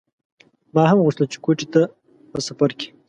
ما هم غوښتل چې کوټې ته په سفر کې.